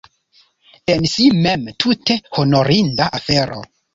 En si mem, tute honorinda afero.